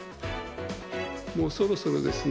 もうそろそろですね、